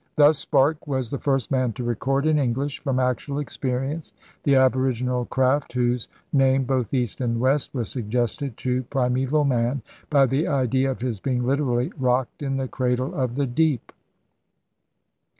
Thus Sparke was the first man to record in English, from actual experience, the aboriginal craft whose 80 ELIZABETHAN SEA DOGS name, both East and West, was suggested to primeval man by the idea of his being hterally 'rocked in the cradle of the deep.'